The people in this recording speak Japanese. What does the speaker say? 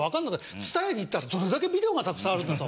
ＴＳＵＴＡＹＡに行ったらどれだけビデオがたくさんあるんだと。